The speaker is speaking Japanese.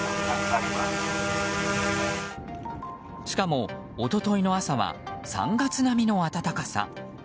しかも一昨日の朝は３月並みの暖かさ。